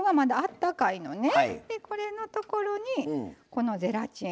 これのところにこのゼラチン。